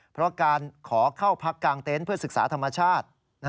เพราะการขอเข้าพักกลางเต็นต์เพื่อศึกษาธรรมชาติ